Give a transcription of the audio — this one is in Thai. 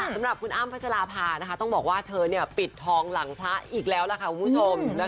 สำหรับคุณอ้ำพัชราภาต้องบอกว่าเธอปิดทองหลังพระอีกแล้วล่ะค่ะคุณผู้ชม